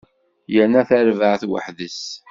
Yerna tarbaɛt weḥd-s.